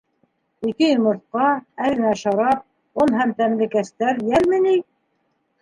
Ике йомортҡа, әҙ генә шарап, он һәм тәмләткестәр йәлме ни?